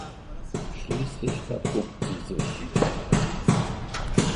Schließlich verpuppt sie sich.